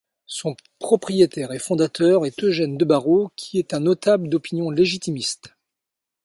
Son propriétaire et fondateur est Eugène de Barrau qui est un notable d'opinion légitimiste.